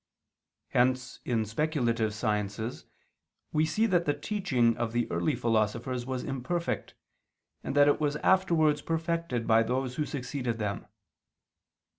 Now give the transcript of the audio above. Hence, in speculative sciences, we see that the teaching of the early philosophers was imperfect, and that it was afterwards perfected by those who succeeded them.